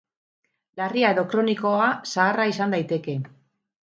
Larria edo kronikoa zaharra izan daiteke.